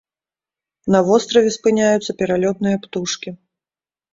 На востраве спыняюцца пералётныя птушкі.